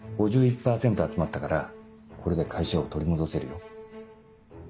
５１％集まったからこれで会社を取り戻せるよ。